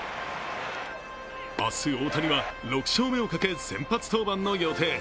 明日、大谷は６勝目をかけ、先発登板の予定。